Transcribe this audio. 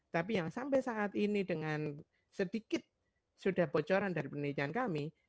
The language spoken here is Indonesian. tapi yang sampai saat ini dengan sedikit sudah bocoran dari penelitian kami